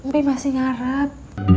tapi masih ngarep